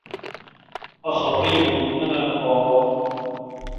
أَخَطِيبٌ أَنَا ؟ قَالَ